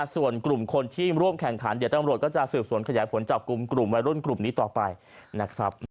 ส่วนกลุ่มคนที่ร่วมแข่งขันเดี๋ยวตำรวจก็จะสืบสวนขยายผลจับกลุ่มกลุ่มวัยรุ่นกลุ่มนี้ต่อไปนะครับ